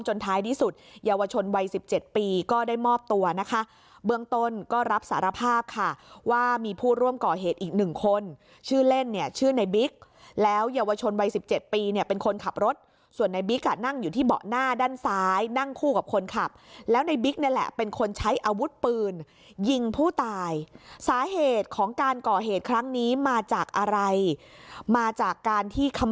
ท้ายที่สุดเยาวชนวัยสิบเจ็ดปีก็ได้มอบตัวนะคะเบื้องต้นก็รับสารภาพค่ะว่ามีผู้ร่วมก่อเหตุอีกหนึ่งคนชื่อเล่นเนี่ยชื่อในบิ๊กแล้วเยาวชนวัยสิบเจ็ดปีเนี่ยเป็นคนขับรถส่วนในบิ๊กอ่ะนั่งอยู่ที่เบาะหน้าด้านซ้ายนั่งคู่กับคนขับแล้วในบิ๊กนี่แหละเป็นคนใช้อาวุธปืนยิงผู้ตายสาเหตุของการก่อเหตุครั้งนี้มาจากอะไรมาจากการที่คำ